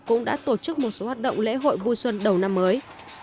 cũng đã tổ chức một số hoạt động lễ hội vui xuân đầu năm mới